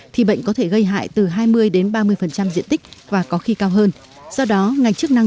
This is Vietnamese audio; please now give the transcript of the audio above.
thì bệnh có thể gây hại từ hai mươi ba mươi diện tích và có khi cao hơn do đó ngành chức năng